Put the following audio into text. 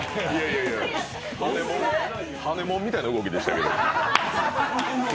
跳ねもんみたいな動きでしたけど。